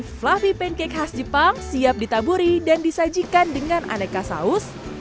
fluffy pancake khas jepang siap ditaburi dan disajikan dengan aneka saus